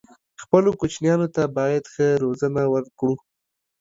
خپلو کوچنيانو ته بايد ښه روزنه ورکړو